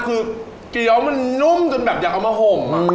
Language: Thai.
คือเกี้ยวมันนุ่มจนแบบอย่าเอามาห่ม